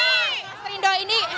master indo ini